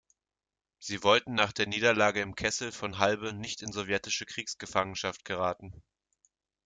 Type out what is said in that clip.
Sie wollten nach der Niederlage im Kessel von Halbe nicht in sowjetische Kriegsgefangenschaft geraten.